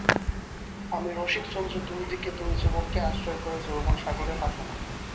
আমি রসিকচন্দ্র– দুই দিকে দুই যুবককে আশ্রয় করে যৌবনসাগরে ভাসমান।